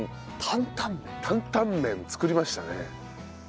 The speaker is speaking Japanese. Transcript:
担々麺作りましたね。